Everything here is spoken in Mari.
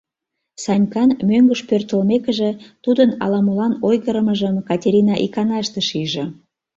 Санькан мӧҥгыш пӧртылмекыже, тудын ала-молан ойгырымыжым Катерина иканаште шиже.